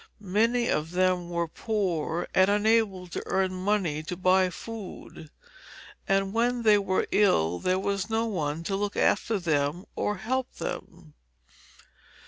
Many of them were poor and unable to earn money to buy food, and when they were ill there was no one to look after them or help them.